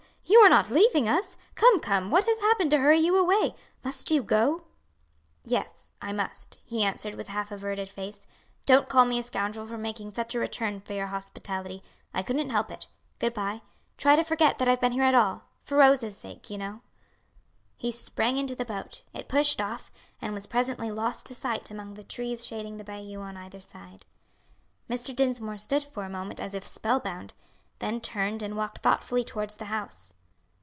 you are not leaving us? Come, come, what has happened to hurry you away? Must you go?" "Yes, I must," he answered with half averted face. "Don't call me a scoundrel for making such a return for your hospitality. I couldn't help it. Good bye. Try to forget that I've been here at all; for Rose's sake, you know." He sprang into the boat; it pushed off, and was presently lost to sight among the trees shading the bayou on either hand. Mr. Dinsmore stood for a moment as if spellbound; then turned and walked thoughtfully towards the house.